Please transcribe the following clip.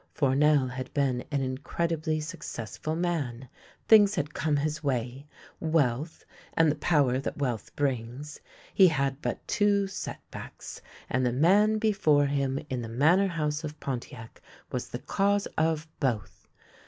Fournel had been an incredibly successful man. Things had come his way — wealth, and the power that wealth brings. He had but two set backs, and the man before him in the Manor House of Pontiac was the cause of both.